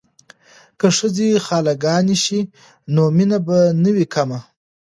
که ښځې خاله ګانې شي نو مینه به نه وي کمه.